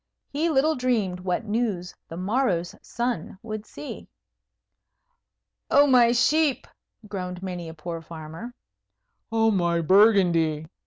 He little dreamed what news the morrow's sun would see. "Oh, my sheep!" groaned many a poor farmer. "Oh, my Burgundy!"